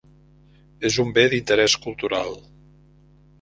És un Bé d'Interés Cultural.